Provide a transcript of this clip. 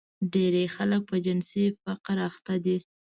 ډېری خلک په جنسي فقر اخته دي.